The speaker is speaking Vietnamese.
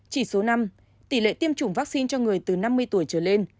chỉ số năm tỷ lệ tiêm chủng vaccine cho người từ năm mươi tuổi trở lên